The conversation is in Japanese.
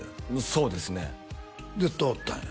そうですねで通ったんや？